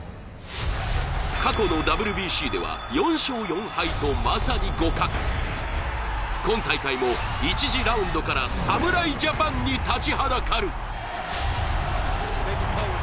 過去のＷＢＣでは４勝４敗とまさに互角今大会も１次ラウンドから侍ジャパンに立ちはだかる。